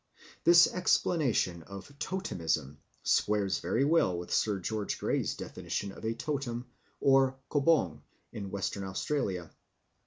This explanation of totemism squares very well with Sir George Grey's definition of a totem or kobong in Western Australia.